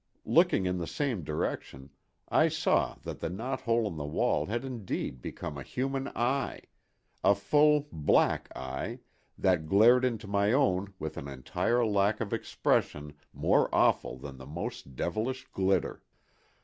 Looking in the same direction, I saw that the knot hole in the wall had indeed become a human eye—a full, black eye, that glared into my own with an entire lack of expression more awful than the most devilish glitter.